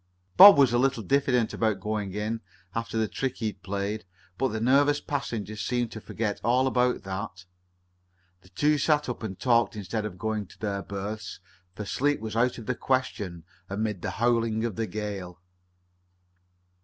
Bob was a little diffident about going in, after the trick he had played, but the nervous passenger seemed to forget all about that. The two sat up and talked instead of going to their berths, for sleep was out of the question amid the howling of the gale.